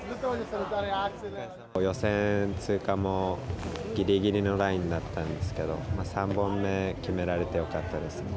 予選通過もぎりぎりのラインだったんですけど３本で決められてよかったです。